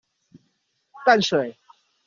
淡水